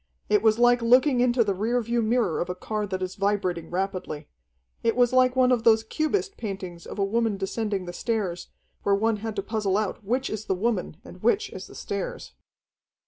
It was like looking into the rear view mirror of a car that is vibrating rapidly. It was like one of those Cubist paintings of a woman descending the stairs, where one had to puzzle out which is the woman and which is the stairs.